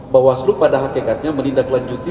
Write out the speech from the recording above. bawaslu pada hakikatnya menindaklanjuti